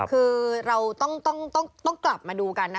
คือเราต้องกลับมาดูกันนะ